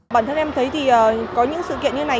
bản thân em thấy thì có những sự kiện như này